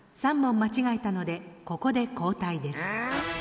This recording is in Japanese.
３問間違えたのでここで交代です。